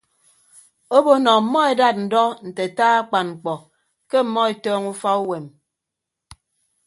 Obo nọ ọmmọ edat ndọ nte ataa akpan mkpọ ke ọmmọ etọọñọ ufa uwem.